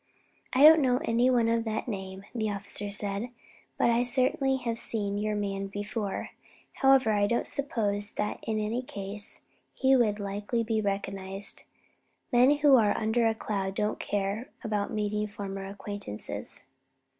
"I don't know any one of that name," the officer said, "but I certainly fancy I have seen your man before; however, I don't suppose in any case he would like being recognised; men who are under a cloud don't care about meeting former acquaintances."